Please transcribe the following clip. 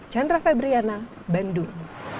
chandra febriana bandung